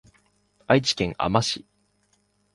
愛知県あま市